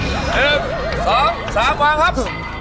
๓วางครับ